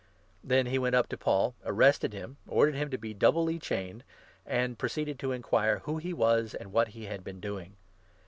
Then he went up to Paul, arrested him, 33 ordered him to be doubly chained, and proceeded to inquire who he was, and what he had been doing.